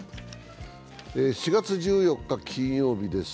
４月１４日金曜日です。